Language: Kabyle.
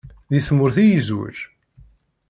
Deg tmurt i yezweǧ?